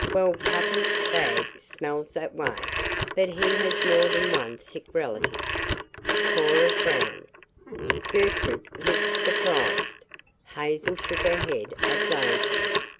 "Well, papa's bag smells that way, but he has more than one 'sick relative.'" Cora frowned. Gertrude looked surprised. Hazel shook her head at Daisy.